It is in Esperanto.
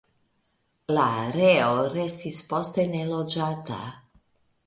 La areo restis poste neloĝata.